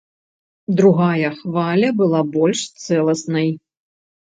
Другая хваля была больш цэласнай.